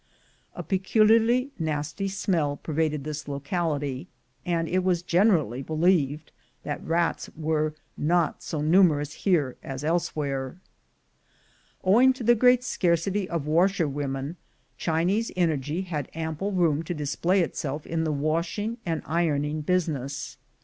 A peculiarly nasty smell pervaded this locality, and it was generally believed that rats were not so numerous here as elsewhere. Owing to the great scarcity of washerwomen, Chinese energy had ample room to display itself in the washing and ironing business.